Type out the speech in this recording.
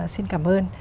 xin cảm ơn